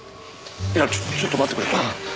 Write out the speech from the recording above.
いやちょっとちょっと待ってくれ。